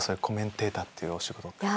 コメンテーターっていうお仕事。